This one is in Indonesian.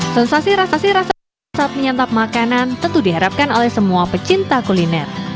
sensasi rasa sih rasa saat menyantap makanan tentu diharapkan oleh semua pecinta kuliner